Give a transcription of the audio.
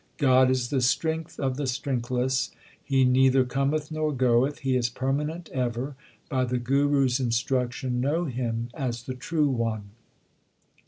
God is the strength of the strengthless. He neither cometh nor goeth ; He is permanent ever ; by the Guru s instruction know Him as the True One.